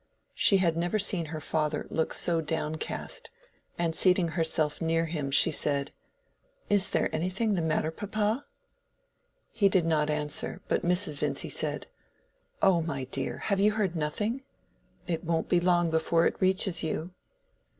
She had never seen her father look so downcast; and seating herself near him she said— "Is there anything the matter, papa?" He did not answer, but Mrs. Vincy said, "Oh, my dear, have you heard nothing? It won't be long before it reaches you."